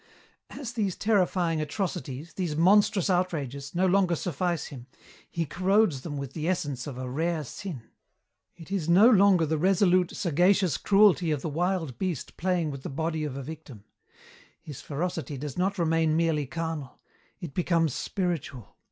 "As these terrifying atrocities, these monstrous outrages, no longer suffice him, he corrodes them with the essence of a rare sin. It is no longer the resolute, sagacious cruelty of the wild beast playing with the body of a victim. His ferocity does not remain merely carnal; it becomes spiritual.